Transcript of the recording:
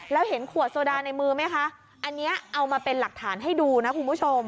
แล้วเห็นขวดโซดาในมือไหมคะอันนี้เอามาเป็นหลักฐานให้ดูนะคุณผู้ชม